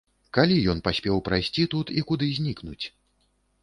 Калі ён паспеў прайсці тут і куды знікнуць?